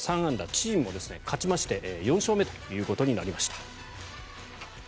チームも勝ちまして４勝目ということになりました。